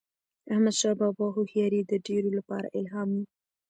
د احمدشاه بابا هوښیاري د ډیرو لپاره الهام و.